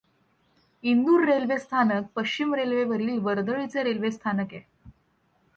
Indore railway स्थानक पश्चिम रेल्वेवरील वर्दळीचे रेल्वे स्थानक आहे.